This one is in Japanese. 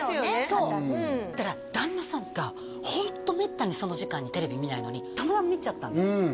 そうそしたら旦那さんがホントめったにその時間にテレビ見ないのにたまたま見ちゃったんですよ